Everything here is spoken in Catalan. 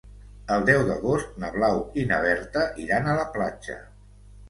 El deu d'agost na Blau i na Berta iran a la platja.